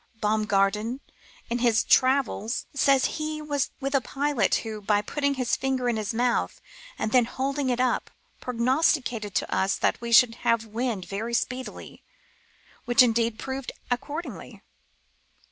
Baum garten, in his Travels," says he was with a pilot who, by putting his finger in his mouth, and then holding it up, ''prognosticated to us that we should have wind very speedily, which indeed proved accordingly."